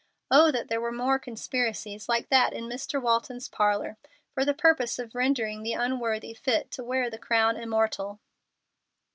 Oh, that there were more conspiracies like that in Mr. Walton's parlor for the purpose of rendering the unworthy fit to wear the crown immortal!